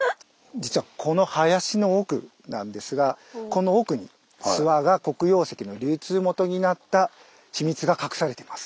実はこの林の奥なんですがこの奥に諏訪が黒曜石の流通元になった秘密が隠されてます。